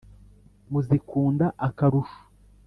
muzikunda akarusho.